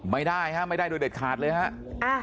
ไม่ได้ฮะไม่ได้โดยเด็ดขาดเลยฮะ